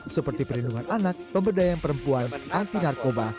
seperti perlindungan anak pemberdayaan perempuan anti narkoba